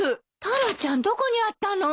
タラちゃんどこにあったの？